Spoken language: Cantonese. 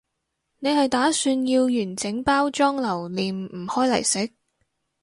你係打算要完整包裝留念唔開嚟食？